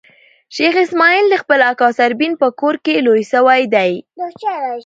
شېخ اسماعیل د خپل اکا سړبن په کور کښي لوی سوی دئ.